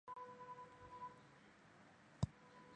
是布朗大学意大利历史教授。